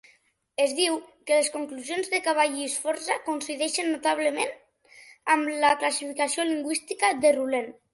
Es diu que les conclusions de Cavalli-Sforza coincideixen notablement amb la classificació lingüística de Ruhlen.